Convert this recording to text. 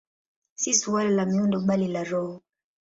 Si suala la miundo, bali la roho.